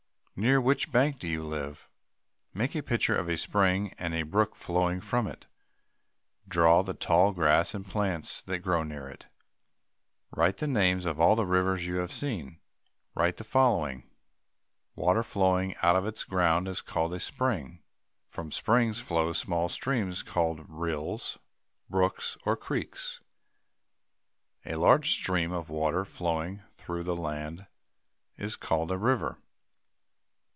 Near which bank do you live? Make a picture of a spring, and a brook flowing from it. Draw the tall grass and plants that grow near it. Write the names of all the rivers you have seen. Write the following: Water flowing out of the ground is called a spring. From springs flow small streams called rills, brooks, or creeks. A large stream of water flowing through the land is called a river.